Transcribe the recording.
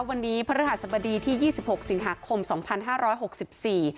วันนี้พระฤหัสบดีที่ยี่สิบหกสิงหาคมสองพันห้าร้อยหกสิบสี่